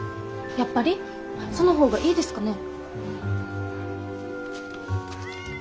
やっぱりその方がいいですかね。